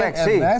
sampai hari ini